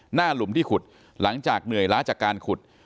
หลุมที่ขุดหลังจากเหนื่อยล้าจากการขุด